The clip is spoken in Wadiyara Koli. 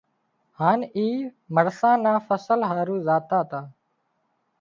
هانَ اي مرسان نا فصل هارو زاتا تا